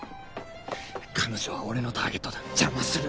彼女は俺のターゲットだ邪魔するな。